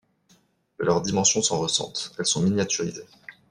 Leurs dimensions s'en ressentent, elles sont miniaturisées.